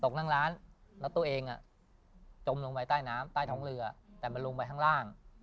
นั่งร้านแล้วตัวเองจมลงไปใต้น้ำใต้ท้องเรือแต่มันลงไปข้างล่าง